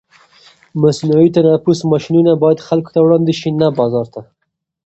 مصنوعي تنفس ماشینونه باید خلکو ته وړاندې شي، نه بازار ته.